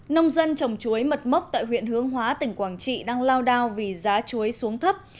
nông dân trồng chuối mật mốc tại huyện hướng hóa tỉnh quảng trị đang lao đao vì giá chuối xuống thấp